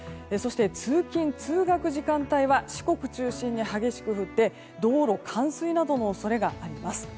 通勤・通学時間帯は四国中心に激しく降って道路の冠水などの恐れがあります。